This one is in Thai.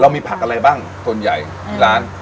เรามีผักอะไรบ้างส่วนใหญ่ร้าน